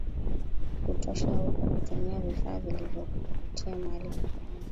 kutosha huko kutumia vifaa vilivyokuvutia mahali pa kwanza